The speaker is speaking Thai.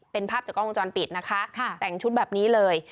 เป็นภาพจากกล้องวงจรปิดนะคะแต่งชุดแบบนี้เลย